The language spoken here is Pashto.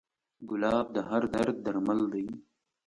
ګلاب د هر درد درمل دی.